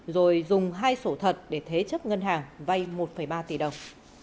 rồi dùng hai sổ thật để thế chấp ngân hàng vay một ba tỷ đồng